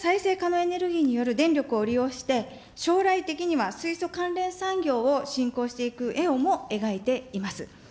そうした再生可能エネルギーによる電力を利用して、将来的には、水素関連産業を進行していく絵をも描いています。